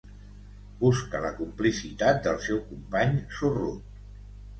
Busca la complicitat del seu company sorrut.